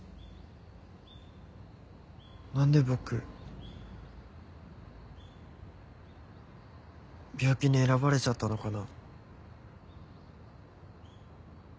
なんで僕病気に選ばれちゃったのかな？